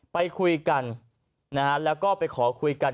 ไปคุยกันนะฮะแล้วก็ไปขอคุยกัน